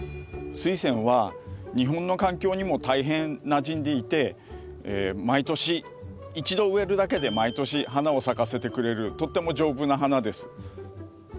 スイセンは日本の環境にも大変なじんでいて毎年一度植えるだけで毎年花を咲かせてくれるとっても丈夫な花です。